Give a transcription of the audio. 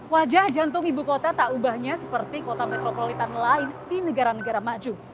wajah jantung ibu kota tak ubahnya seperti kota metropolitan lain di negara negara maju